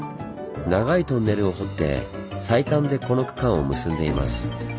長いトンネルを掘って最短でこの区間を結んでいます。